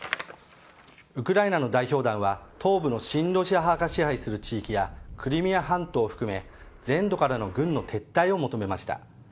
ウクライナの代表団は東部の親ロシア派が支配する地域やクリミア半島を含め全土からの軍の撤退を求めました。